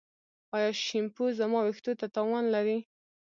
ایا شیمپو زما ویښتو ته تاوان لري؟